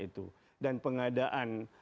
itu dan pengadaan